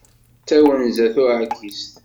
D tawenza tuɛkist.